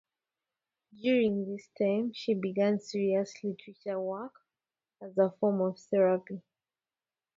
During this time, she began serious literary work as a form of therapy.